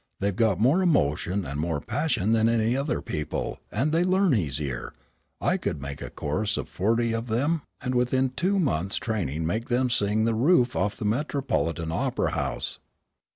They've got more emotion and more passion than any other people, and they learn easier. I could take a chorus of forty of them, and with two months' training make them sing the roof off the Metropolitan Opera house."